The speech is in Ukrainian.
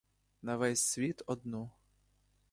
На весь світ одну.